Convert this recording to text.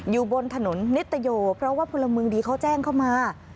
อยู่บนถนนนิตโยเพราะว่าพลเมืองดีเขาแจ้งเข้ามา